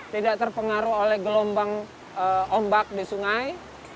tidak terpengaruh oleh gelombang ombak di sungai